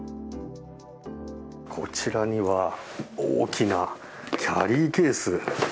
こちらには大きなキャリーケース。